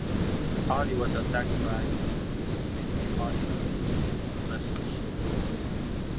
The party was attacked by some for being a party of Jews and professors.